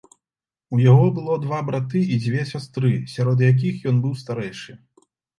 У яго было два браты і дзве сястры, сярод якіх ён быў старэйшы.